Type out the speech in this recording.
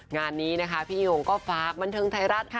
งานนี้นะคะพี่หญิงยงก็ฟักวันเทิงไทยรัฐ